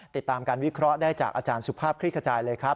ติดตามการวิเคราะห์ได้จากอาจารย์สุภาพคลิกขจายเลยครับ